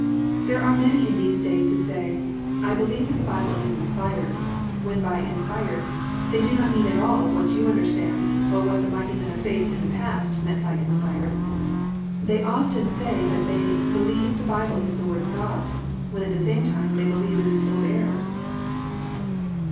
There are many in these days who say "I believe that the Bible is inspired" when by "inspired" they do not mean at all what you understand or what the mighty men of faith in the past meant by "inspired." They often say that they "believe the Bible is the Word of God," when at the same time they believe it is full of errors.